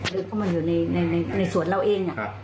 เดินเข้ามาอยู่ในสวนเราเอง